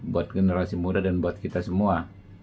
buat generasi muda dan buat kita semua